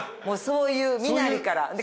もうそういう身なりから。